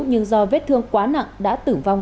nhưng do vết thương quá nặng đã tử vong